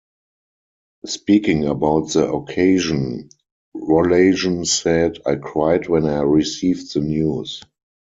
Speaking about the occasion, Rollason said, I cried when I received the news.